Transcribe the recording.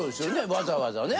わざわざね。